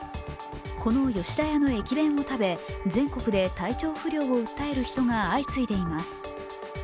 この吉田屋の駅弁を食べ、全国で体調不良を訴える人が相次いでいます。